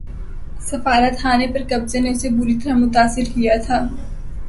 سفارت خانے پر قبضے نے اسے بری طرح متاثر کیا تھا